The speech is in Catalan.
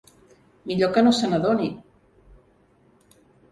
Millor que no se n'adoni!